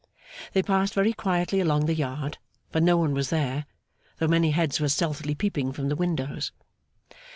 They passed very quietly along the yard; for no one was there, though many heads were stealthily peeping from the windows.